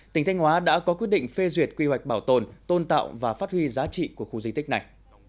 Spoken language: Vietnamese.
tỉnh thanh hóa đã có quyết định phê duyệt quy hoạch bảo tồn tôn tạo và phát huy giá trị của khu di tích này